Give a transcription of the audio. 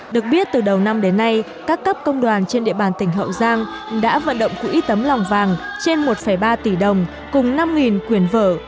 được biết từ đầu năm đến nay các cấp công đoàn trên địa bàn tỉnh hậu giang đã vận động quỹ tấm lòng vàng trên một ba tỷ đồng cùng năm quyền vở